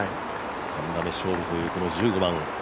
３打目勝負という１５番。